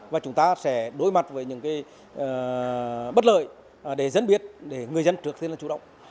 và chúng ta sẽ đối mặt với những bất lợi để dân biết để người dân trước tiên là chủ động